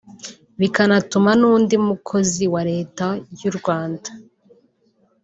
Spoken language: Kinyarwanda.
bikanatuma n’undi mukozi wa Leta y’u Rwanda